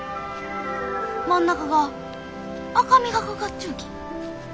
真ん中が赤みがかかっちゅうき。